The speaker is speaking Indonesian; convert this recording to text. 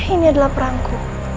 ini adalah perangku